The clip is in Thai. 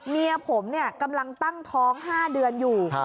เมียผมกำลังตั้งท้อง๕เดือนอยู่